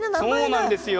そうなんですよ。